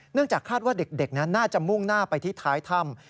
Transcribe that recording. เนื่องจากคาดว่าเด็กน่าจะมุ่งหน้าไปที่ท้ายถ้ำ